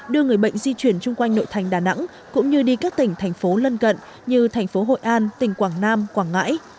đưa người bệnh di chuyển chung quanh nội thành đà nẵng cũng như đi các tỉnh thành phố lân cận như thành phố hội an tỉnh quảng nam quảng ngãi